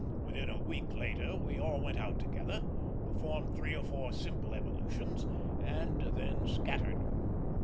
Within a week later we all went out together, performed three or four simple evolutions, and then scattered.